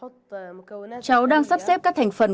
cháu đang sắp xếp các thành phần